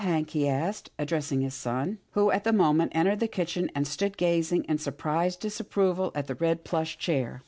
Hank?" he asked, addressing his son, who at that moment entered the kitchen, and stood gazing in surprised disapproval at the red plush chair.